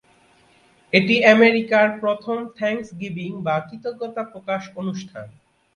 এটি আমেরিকার প্রথম "থ্যাংকসগিভিং"বা কৃতজ্ঞতা প্রকাশ অনুষ্ঠান।